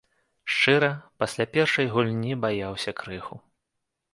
Шчыра, пасля першай гульні баяўся крыху.